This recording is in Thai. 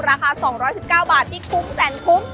ราคา๒๑๙บาทที่คุ้มแสนคุ้ม